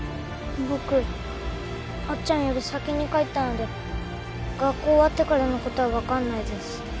僕あっちゃんより先に帰ったので学校終わってからのことは分かんないです。